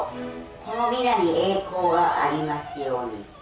この御名に栄光がありますように」